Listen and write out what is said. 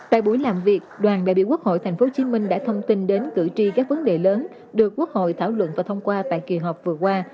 tại buổi làm việc đoàn đại biểu quốc hội tp hcm đã thông tin đến cử tri các vấn đề lớn được quốc hội thảo luận và thông qua tại kỳ họp vừa qua